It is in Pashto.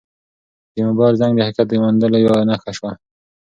د موبایل زنګ د حقیقت د موندلو یوه نښه شوه.